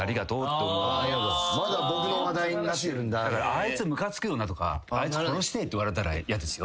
あいつムカつくよなとかあいつ殺してえって言われたら嫌ですよ